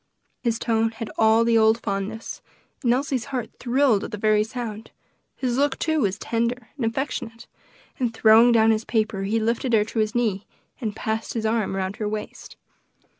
His tone had all the old fondness, and Elsie's heart thrilled at the very sound; his look, too, was tender and affectionate, and throwing down his paper he lifted her to his knee, and passed his arm around her waist.